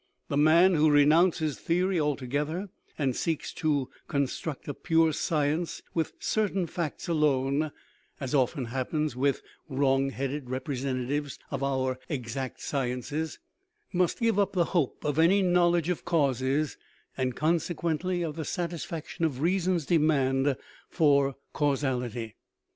The man who renounces theory altogether, and seeks to construct a pure science with certain facts alone (as 299 THE RIDDLE OF THE UNIVERSE often happens with wrong headed representatives of our "exact sciences"), must give up the hope of any knowledge of causes, and, consequently, of the satis faction of reason's demand for causality.